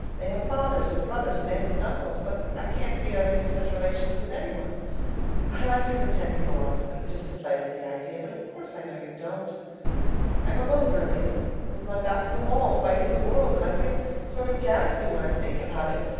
They have fathers and brothers and aunts and uncles; but I can't be on any such relations with any one. I like to pretend that you belong to me, just to play with the idea, but of course I know you don't. I'm alone, really with my back to the wall fighting the world and I get sort of gaspy when I think about it.